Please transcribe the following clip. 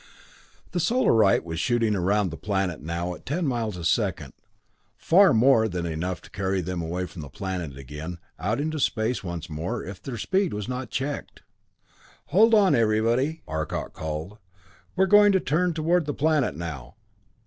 The Solarite was shooting around the planet now at ten miles a second, far more than enough to carry them away from the planet again, out into space once more if their speed was not checked. "Hold on everybody," Arcot called. "We're going to turn toward the planet now!"